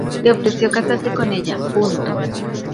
Le ofreció casarse con ella.